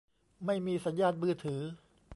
ไม่มีสัญญานมือถือ